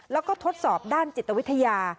แล้วก็ทดสอบด้านจิตวิทยา